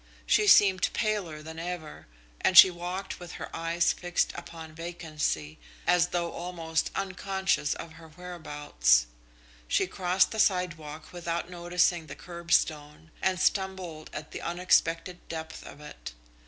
She seemed paler than ever, and she walked with her eyes fixed upon vacancy, as though almost unconscious of her whereabouts. She crossed the sidewalk without noticing the curbstone, and stumbled at the unexpected depth of it.